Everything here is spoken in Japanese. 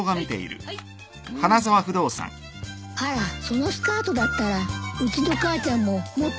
あらそのスカートだったらうちの母ちゃんも持ってるわよ。